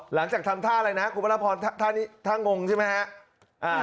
หลังจากทำท่าอะไรนะคุณพระราพรท่านงงใช่ไหมฮะ